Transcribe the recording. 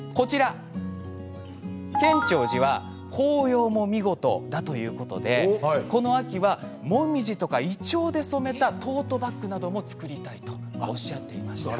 建長寺は紅葉も見事だということでこの秋は、もみじやいちょうで染めたトートバッグなども作りたいとおっしゃっていました。